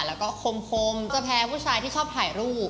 แล้วก็คมจะแพ้ผู้ชายที่ชอบถ่ายรูป